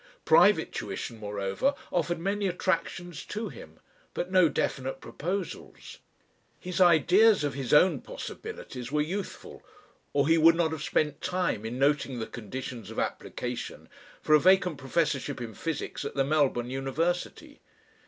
Private tuition, moreover, offered many attractions to him, but no definite proposals. His ideas of his own possibilities were youthful or he would not have spent time in noting the conditions of application for a vacant professorship in physics at the Melbourne University.